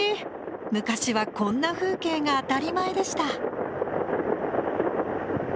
昔はこんな風景が当たり前でした。